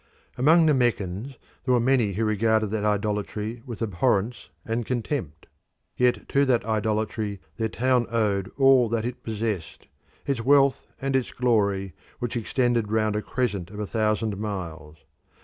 Among the Meccans there were many who regarded that idolatry with abhorrence and contempt; yet to that idolatry their town owed all that it possessed, its wealth and its glory, which extended round a crescent of a thousand miles.